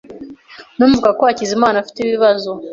Numvaga ko Hakizimana afite ibibazo.